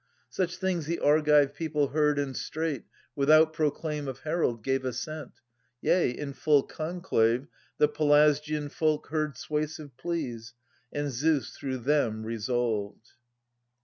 Such things the Argive people heard, and straight. Without proclaim of herald, gave assent : Yea, in full conclave, the Pelasgian folk Heard suasive pleas, and Zeus through them resolved.